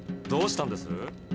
どうしたんです？